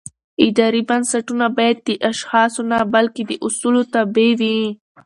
اداري بنسټونه باید د اشخاصو نه بلکې د اصولو تابع وي